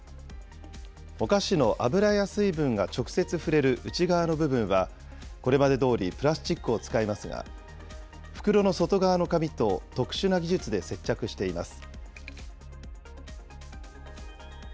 お菓子の油や水分が直接触れる内側の部分は、これまでどおりプラスチックを使いますが、袋の外側の紙と特殊な技術で接着しています。